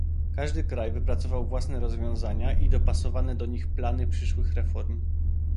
Każdy kraj wypracował własne rozwiązania i dopasowane do nich plany przyszłych reform